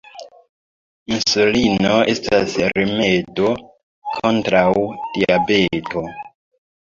Insulino estas rimedo kontraŭ diabeto.